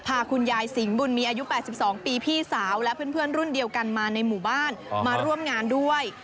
พาคุณยายสิงห์บุญมีอายุ๘๒ปีพี่สาวและเพื่อนรุ่นเดียวกันมาในหมู่บ้านมาร่วมงานด้วย